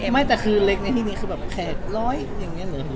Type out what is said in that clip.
ไม่แต่คือเล็กในที่นี้คือแบบ๘๐๐อย่างนี้เหรอ